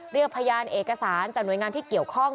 เรียกพยานเอกสารจากหน่วยงานที่เกี่ยวข้อง